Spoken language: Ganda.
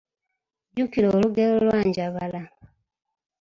Jjukira olugero lwa Njabala.